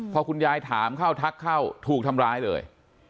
พอคุณยายถามเข้าทักเข้าถูกทำร้ายเลย